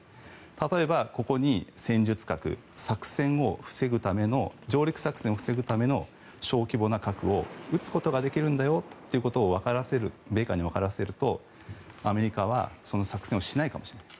例えば、ここに戦術核上陸作戦を防ぐための小規模な核を撃つことができるんだよということをわからせるとアメリカはその作戦をしないかもしれない。